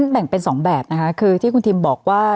แบ่งเป็น๒แบบนะคะคือที่คุณทิมบอกว่า